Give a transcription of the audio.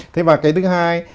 thế mà cái thứ hai